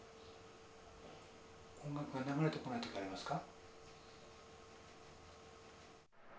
音楽が流れてこない時ありますか？